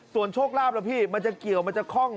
ส่วนโชคลาภล่ะพี่มันจะเกี่ยวมันจะคล่อง